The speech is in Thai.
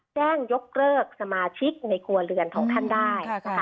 แจ้งยกเลิกสมาชิกในครัวเรือนของท่านได้